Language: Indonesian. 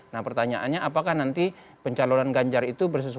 nah pertanyaannya apakah nanti pencalonan ganjar itu bersesuaian